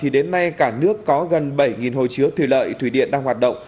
đến nay cả nước có gần bảy hồ chứa thủy lợi thủy điện đang hoạt động